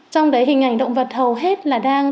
trong đấy hình ảnh động vật hầu hết là đang